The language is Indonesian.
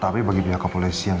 tapi bagi pihak kompolesian